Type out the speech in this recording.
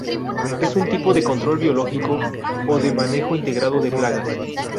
Es un tipo de control biológico o de manejo integrado de plagas.